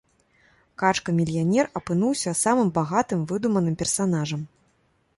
Качка-мільянер апынуўся самым багатым выдуманым персанажам.